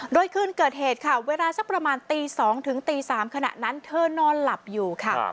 โดยคืนเกิดเหตุค่ะเวลาสักประมาณตี๒ถึงตี๓ขณะนั้นเธอนอนหลับอยู่ค่ะ